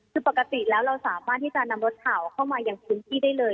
คือปกติแล้วเราสามารถที่จะนำรถข่าวเข้ามายังพื้นที่ได้เลย